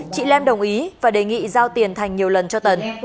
chị lam đồng ý và đề nghị giao tiền thành nhiều lần cho tần